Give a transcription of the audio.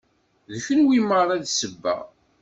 D kunwi merra i d ssebba.